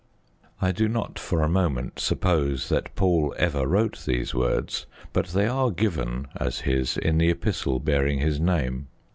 I do not for a moment suppose that Paul ever wrote those words. But they are given as his in the Epistle bearing his name.